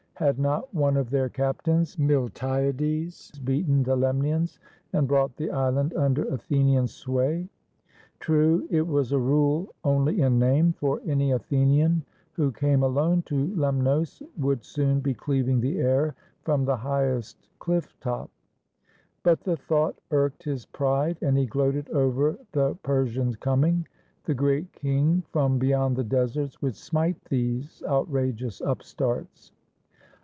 Had not one of their captains, Milti ades, beaten the Lemnians and brought the island under Athenian sway? True, it was a rule only in name, for any Athenian who came alone to Lemnos would soon be cleaving the air from the highest cliff top. But the thought irked his pride, and he gloated over the Per sians' coming. The Great King from beyond the deserts would smite these outrageous upstarts.